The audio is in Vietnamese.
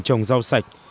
trồng rau sạch